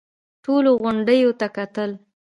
ټولو غونډيو ته کتل.